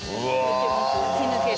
吹き抜ける。